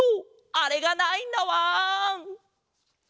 あれがないんだわん！